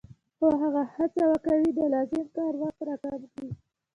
خو هغه هڅه کوي د لازم کار وخت را کم کړي